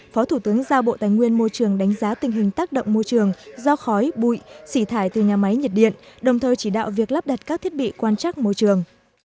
phó thủ tướng giao bộ tài nguyên môi trường đánh giá tình hình tác động môi trường do khói bụi sỉ thải từ nhà máy nhiệt điện đồng thời chỉ đạo việc lắp đặt các thiết bị quan trắc môi trường